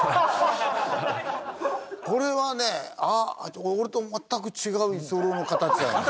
これはね俺と全く違う居候の形だよね。